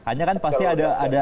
hanya kan pasti ada ini pak mark